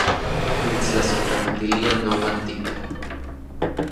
Nimitstlasojkamatilia nouan tika